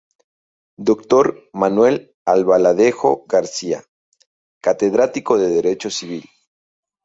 Dr. Manuel Albaladejo García, Catedrático de Derecho Civil.